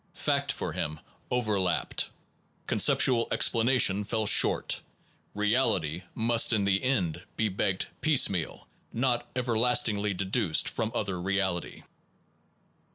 Fact, for him, over lapped; conceptual explanation fell short; real 164 NOVELTY AND THE INFINITE ity must in the end be begged piecemeal, not everlastingly deduced from other reality.